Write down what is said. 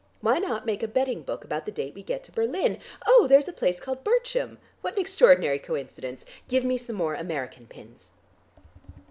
Why not make a betting book about the date we get to Berlin? Oh, there's a place called Burchem; what an extraordinary coincidence. Give me some more American pins."